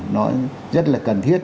nó rất là cần thiết